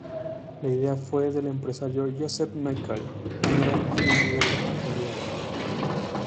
La idea fue del empresario Joseph Michael, un gran genio en la actualidad.